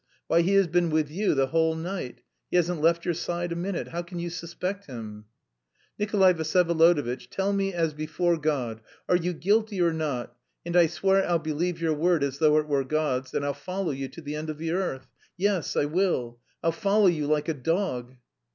Why, he has been with you the whole night. He hasn't left your side a minute. How can you suspect him?" "Nikolay Vsyevolodovitch, tell me, as before God, are you guilty or not, and I swear I'll believe your word as though it were God's, and I'll follow you to the end of the earth. Yes, I will. I'll follow you like a dog."